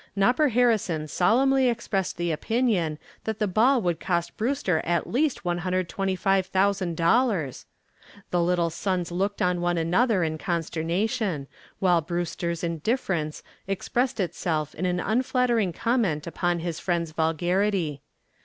"Nopper" Harrison solemnly expressed the opinion that the ball would cost Brewster at least $125,000. The "Little Sons" looked at one another in consternation, while Brewster's indifference expressed itself in an unflattering comment upon his friend's vulgarity.